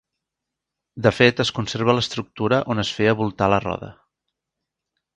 De fet es conserva l'estructura on es feia voltar la roda.